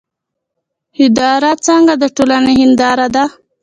اداره څنګه د ټولنې هنداره ده؟